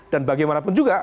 dan bagaimanapun juga